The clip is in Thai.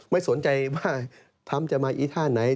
ไม่สนใจว่าทรัมป์จะมาอีท่าไหน